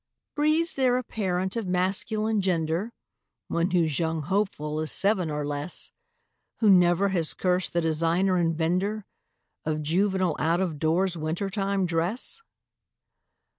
Breathes there a parent of masculine gender, One whose young hopeful is seven or less, Who never has cursed the designer and vender Of juvenile out of doors winter time dress?